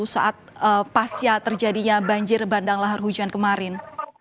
saat pasca terjadinya banjir bandang lahar hujan kemarin